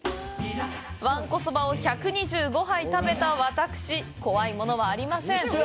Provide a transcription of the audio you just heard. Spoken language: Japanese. わんこそばを１２５杯食べた私怖いものはありません！